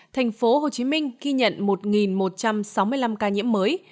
thành phố hồ chí minh ghi nhận một một trăm sáu mươi năm ca nhiễm mới